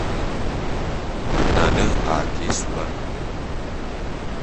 Nane a ke ésulán.